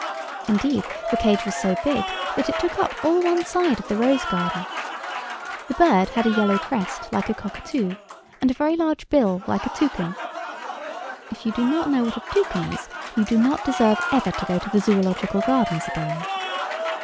Indeed the cage was so big that it took up all one side of the rose garden. The bird had a yellow crest like a cockatoo and a very large bill like a toucan. (If you do not know what a toucan is you do not deserve ever to go to the Zoological Gardens again.)